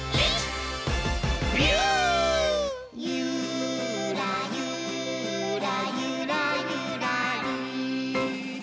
「ゆーらゆーらゆらゆらりー」